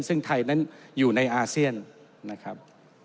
ซึ่งไทยนั้นอยู่ในอาเซียนนะครับ